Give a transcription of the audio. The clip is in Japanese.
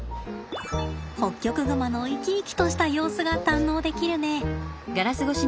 ホッキョクグマの生き生きとした様子が堪能できるね。